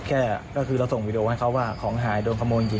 แค่ก็คือเราส่งวีดีโอให้เขาว่าของหายโดนขโมยจริง